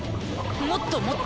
もっともっと。